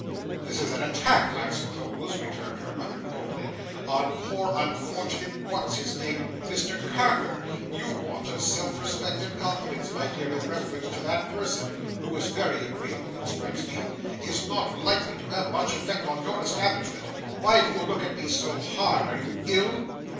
"This is an attack, I suppose," returned her mother coldly, "on poor, unfortunate what's his name—Mr Carker! Your want of self respect and confidence, my dear, in reference to that person (who is very agreeable, it strikes me), is not likely to have much effect on your establishment. Why do you look at me so hard? Are you ill?"